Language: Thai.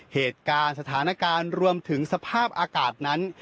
เหตุการณ์สถานการณ์รวมถึงสภาพอากาศนั้น